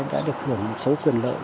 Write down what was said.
đã được hưởng một số quyền lợi